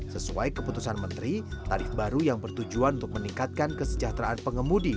sesuai keputusan menteri tarif baru yang bertujuan untuk meningkatkan kesejahteraan pengemudi